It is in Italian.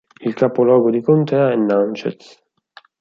Il capoluogo di contea è Natchez.